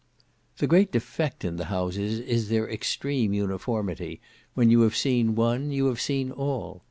The great defect in the houses is their extreme uniformity when you have seen one, you have seen all.